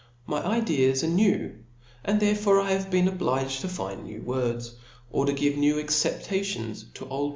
My ideas are new, and therefore 1 have been obliged to fnd out ne,w words, or to give new acceptations to old.